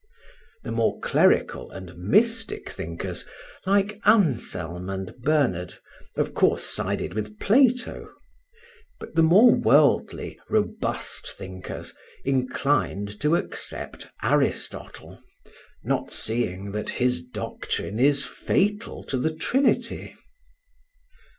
The more clerical and mystic thinkers, like Anselm and Bernard, of course sided with Plato; but the more worldly, robust thinkers inclined to accept Aristotle, not seeing that his doctrine is fatal to the Trinity.